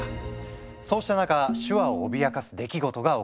そうした中手話を脅かす出来事が起こる。